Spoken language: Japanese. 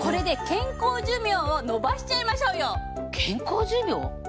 健康寿命？